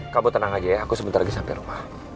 kamu tenang aja ya aku sebentar lagi sampai rumah